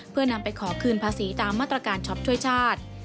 เพื่อนำไปขอคืนภาษีตามมาตรการช็อปช่วยชาติ